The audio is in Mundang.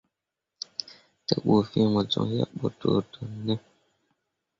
Te ɓu fiŋ mo coŋ yebɓo doodoone ?